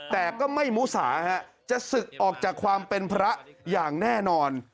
แต่ก็ไม่มุสาจะศึกออกจากความเป็นพระอย่างแน่นอน